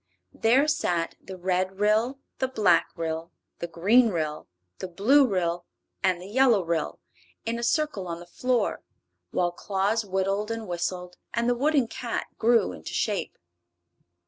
There sat the Red Ryl, the Black Ryl, the Green Ryl, the Blue Ryl and the Yellow Ryl in a circle on the floor, while Claus whittled and whistled and the wooden cat grew into shape.